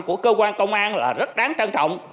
của cơ quan công an là rất đáng trân trọng